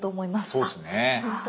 そうですね。